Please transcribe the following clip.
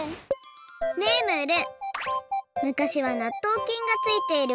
ねえムール！